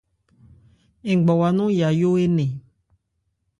Ngbawa nɔn yayó énɛn.